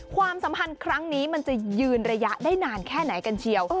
ความสัมพันธ์ครั้งนี้มันจะยืนระยะได้นานแค่ไหนกันเชียว